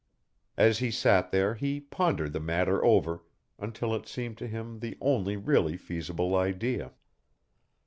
As he sat there he pondered the matter over until it seemed to him the only really feasible idea.